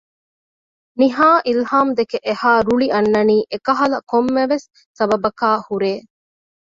ނިހާ އިލްހާމްދެކެ އެހާ ރުޅި އަންނަނީ އެކަހަލަ ކޮންމެވެސް ސަބަބަކާ ހުރޭ